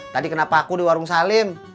tadi kenapa aku di warung salim